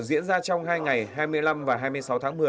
diễn ra trong hai ngày hai mươi năm và hai mươi sáu tháng một mươi